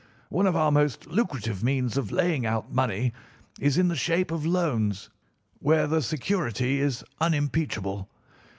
One of our most lucrative means of laying out money is in the shape of loans, where the security is unimpeachable.